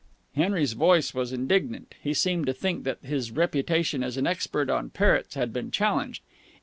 Henry's voice was indignant. He seemed to think that his reputation as an expert on parrots had been challenged.